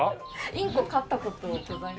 インコ飼った事ございます？